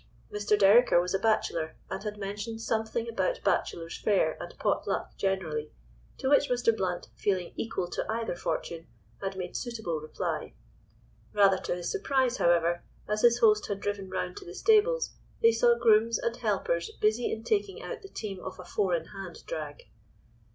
Mr. Dereker was a bachelor, and had mentioned something about bachelor's fare and pot luck generally, to which Mr. Blount, feeling equal to either fortune, had made suitable reply. Rather to his surprise, however, as his host had driven round to the stables they saw grooms and helpers busy in taking out the team of a four in hand drag.